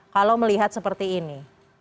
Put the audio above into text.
kalau melihat seperti ini